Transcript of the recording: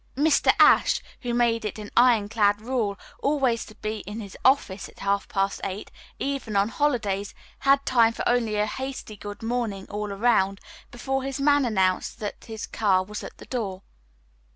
Mr. Ashe, who made it an ironclad rule always to be in his office at half past eight o'clock, even on holidays, had time for only a hasty good morning all around before his man announced that his car was at the door.